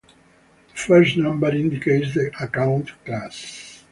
The first number indicates the account class.